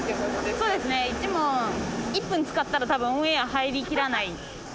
そうですね１問１分使ったら多分オンエアー入りきらない。